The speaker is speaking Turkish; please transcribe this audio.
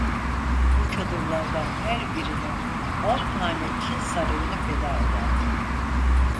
Bu çadırlardan her birine on tane Çin sarayını feda ederdim.